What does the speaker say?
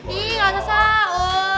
ih gak sasar